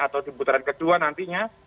atau di putaran kedua nantinya